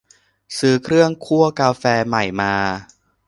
ซื้อเครื่องคั่วกาแฟใหม่มา